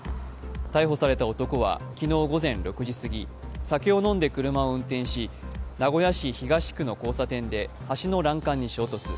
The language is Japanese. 逮捕された男は昨日午前６時すぎ酒を飲んで車を運転し、名古屋市東区の交差点で橋の欄干に衝突。